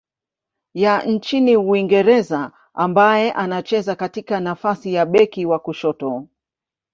ya nchini Uingereza ambaye anacheza katika nafasi ya beki wa kushoto.